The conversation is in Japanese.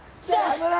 ・頑張れ！